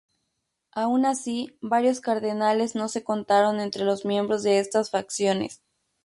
Aun así, varios cardenales no se contaron entre los miembros de estas facciones.